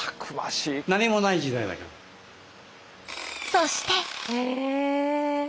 そして。